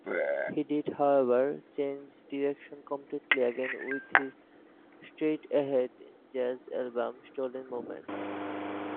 He did however, change direction completely again with his straight-ahead jazz album "Stolen Moments".